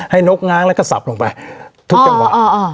ให้นกง้างแล้วก็สับลงไปทุกจังหวะอ่ออออ